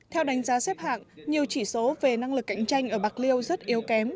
theo đánh giá xếp hạng nhiều chỉ số về năng lực cạnh tranh ở bạc liêu rất yếu kém